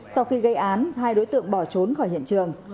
sau khi gây án hai đối tượng bỏ trốn khỏi hiện trường